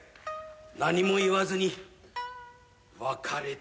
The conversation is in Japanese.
何も言わずに別れてくれ。